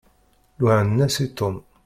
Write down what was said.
Luɛan-as i Tom.